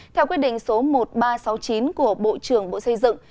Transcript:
theo quyết định số một nghìn ba trăm sáu mươi chín của bộ trưởng bộ xây dựng